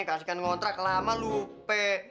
kasih kan ngontrak lama lu be